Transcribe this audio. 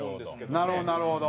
なるほどなるほど。